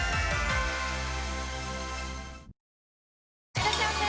いらっしゃいませ！